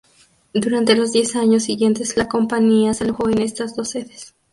Durante los diez años siguientes, la compañía se alojó en estas dos sedes.